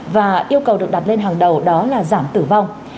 và yêu cầu được đặt lên hàng đầu đó là giảm tử vong